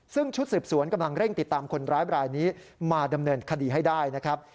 ซึ่งชุดสืบสวนกำลังเร่งติดตามคนร้ายบรายนี้มาดำเนินคดีให้ได้นะครับ